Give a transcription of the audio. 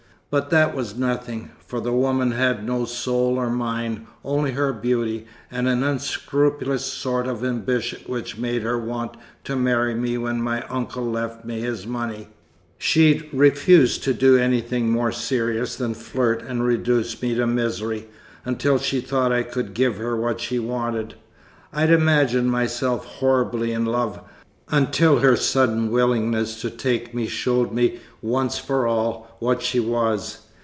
But that was nothing. For the woman had no soul or mind, only her beauty, and an unscrupulous sort of ambition which made her want to marry me when my uncle left me his money. She'd refused to do anything more serious than flirt and reduce me to misery, until she thought I could give her what she wanted. I'd imagined myself horribly in love, until her sudden willingness to take me showed me once for all what she was.